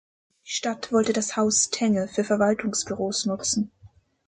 Die Stadt wollte das Haus Tenge für Verwaltungsbüros nutzen.